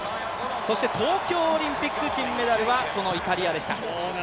東京オリンピック金メダルは、このイタリアでした。